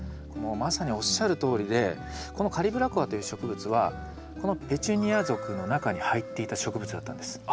もうまさにおっしゃるとおりでこのカリブラコアという植物はペチュニア属の中に入っていた植物だったんです。